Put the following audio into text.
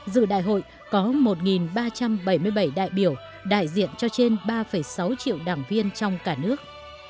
dự đại hội có một ba trăm bảy mươi bảy đại biểu đại diện cho trên ba sáu triệu đảng viên trong cả nước